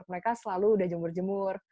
mereka selalu udah jemur jemur